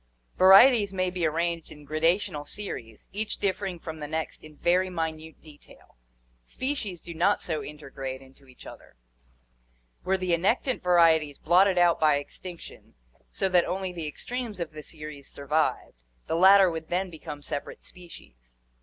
Vari eties may be arranged in gradational series, each differing from the next in very minute detail. Species do not so intergrade into each other. Were the annectant varieties blotted out by extinction so that only the extremes of the series survived, the latter would then become separate species.